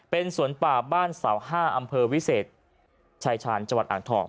เป็นสวนป่าบ้านเสาห้าอำเภอวิเศษชายชาญจัวร์อังทอม